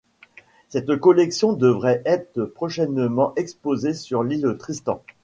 Cette collection devrait être prochainement exposée sur l'île Tristan.